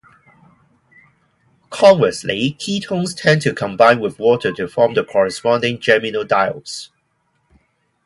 Conversely, ketones tend to combine with water to form the corresponding geminal diols.